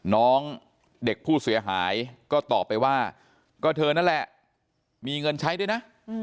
น้องเด็กผู้เสียหายก็ตอบไปว่าก็เธอนั่นแหละมีเงินใช้ด้วยนะ